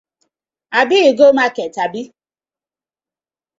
Abi you go market abi?